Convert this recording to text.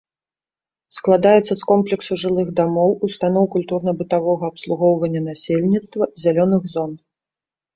Складаецца з комплексу жылых дамоў, устаноў культурна-бытавога абслугоўвання насельніцтва, зялёных зон.